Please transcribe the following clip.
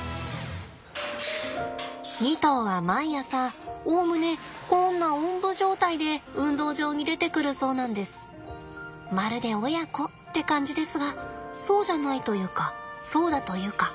２頭は毎朝おおむねこんなおんぶ状態で運動場に出てくるそうなんです。まるで親子って感じですがそうじゃないというかそうだというか。